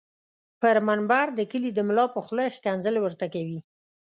پر منبر د کلي دملا په خوله ښکنځل ورته کوي